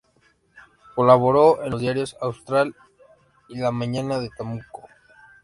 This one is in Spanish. Colaboró en los diarios "Austral" y "La Mañana de Temuco".